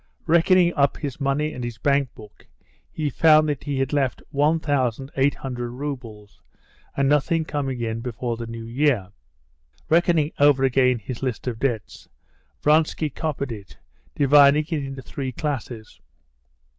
Reckoning up his money and his bank book, he found that he had left one thousand eight hundred roubles, and nothing coming in before the New Year. Reckoning over again his list of debts, Vronsky copied it, dividing it into three classes.